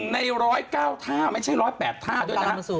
๑ใน๑๐๙ถ้าไม่ใช่๑๐๘ถ้าด้วยนะคะ